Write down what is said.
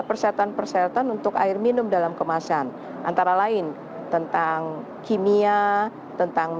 persyaratan persyaratan untuk air minum dalam kemasan antara lain tentang kimia tentang